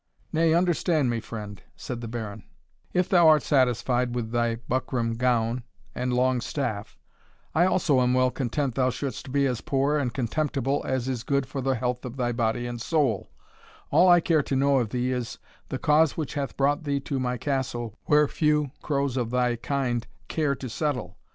"Nay, understand me, friend," said the Baron; "if thou art satisfied with thy buckram gown and long staff, I also am well content thou shouldst be as poor and contemptible as is good for the health of thy body and soul All I care to know of thee is, the cause which hath brought thee to my castle, where few crows of thy kind care to settle.